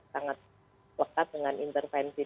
sangat lekat dengan intervensi